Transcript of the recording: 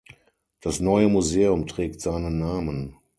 Das neue Museum trägt seinen Namen.